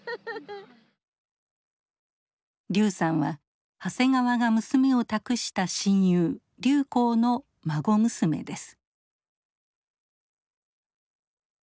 劉さんは長谷川が娘を託した親友劉好の孫娘です。